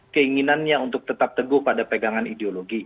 keinginannya untuk tetap teguh pada pegangan ideologi